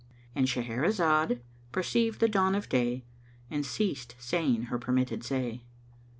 —And Shahrazad perceived the dawn of day and ceased saying her permitted say.